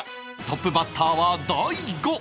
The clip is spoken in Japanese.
トップバッターは大悟